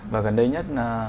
và gần đây nhất